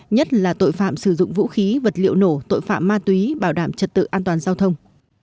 nhất là tội phạm sử dụng vũ khí vật liệu nổ tội phạm ma túy bảo đảm trật tự an toàn giao thông